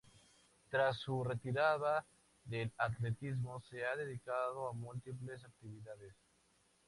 Tras su retirada del atletismo se ha dedicado a múltiples actividades.